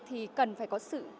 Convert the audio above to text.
thì cần phải có sự